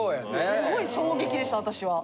すごい衝撃でした私は。